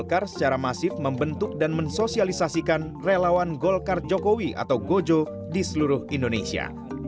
golkar secara masif membentuk dan mensosialisasikan relawan golkar jokowi atau gojo di seluruh indonesia